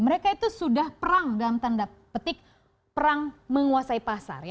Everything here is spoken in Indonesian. mereka itu sudah perang dalam tanda petik perang menguasai pasar